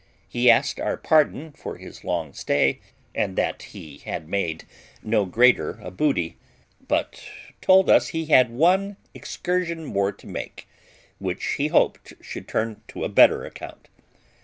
He asked our pardon for his long stay, and that he had made no greater a booty, but told us he had one excursion more to make, which he hoped should turn to a better account.